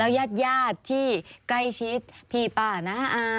ยาดที่ใกล้ชิดพี่ป้านะ